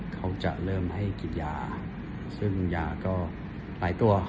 เขาจะเริ่มให้กินยาซึ่งยาก็หลายตัว